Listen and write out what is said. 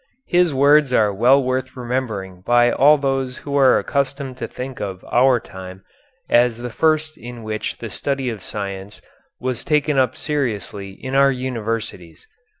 His words are well worth remembering by all those who are accustomed to think of our time as the first in which the study of science was taken up seriously in our universities.